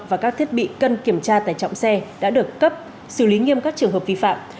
và các thiết bị cân kiểm tra tải trọng xe đã được cấp xử lý nghiêm các trường hợp vi phạm